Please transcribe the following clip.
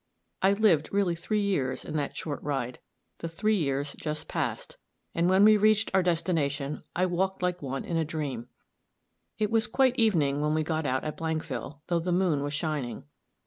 I lived really three years in that short ride the three years just past and when we reached our destination, I walked like one in a dream. It was quite evening when we got out at Blankville, though the moon was shining.